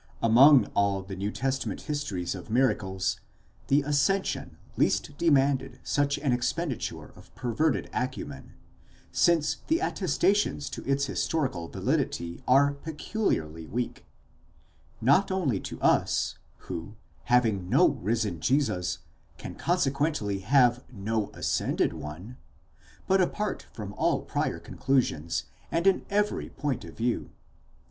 Among all the New Testament histories of miracles, the ascension least demanded such an expenditure of perverted acumen, since the attestations to its historical validity are peculiarly weak,—not only to us who, having no risen Jesus, can consequently have no ascended one, but apart from all prior conclusions and in every point of view.